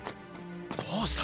どうした？